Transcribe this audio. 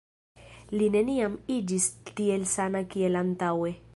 Li neniam iĝis tiel sana kiel antaŭe.